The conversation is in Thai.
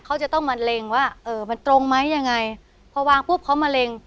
เขาจะต้องมาเล็งว่าเออมันตรงไหมยังไงพอวางปุ๊บเขามะเร็ง